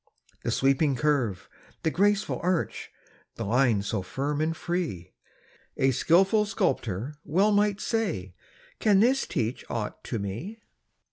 The sweeping curve, the graceful arch, The line so firm and free; A skilful sculptor well might say: "Can this teach aught to me?"